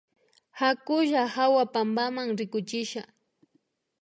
Hakulla hawa pampama rikuchisha